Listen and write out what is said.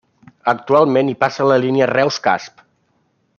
Actualment hi passa la línia Reus-Casp.